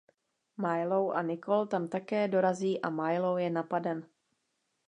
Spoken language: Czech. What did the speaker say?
Milo a Nicole tam také dorazí a Milo je napaden.